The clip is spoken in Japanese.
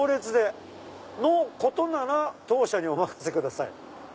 「のことなら当社にお任せください」。